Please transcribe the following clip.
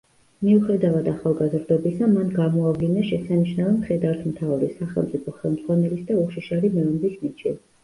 მიუხედავად ახალგაზრდობისა მან გამოავლინა შესანიშნავი მხედართმთავრის, სახელმწიფო ხელმძღვანელის და უშიშარი მეომრის ნიჭი.